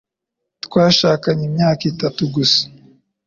Twashakanye imyaka itatu gusa.